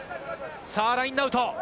さあラインアウト。